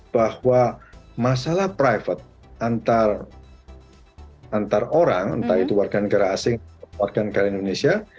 bahwa masalah private orang entah itu warga negara asing atau warga negara indonesia